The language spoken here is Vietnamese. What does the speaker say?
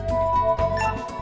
có thể gamecube